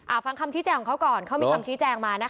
เอาฟังคำชี้แจงของเขาก่อนเขามีคำชี้แจงมานะคะ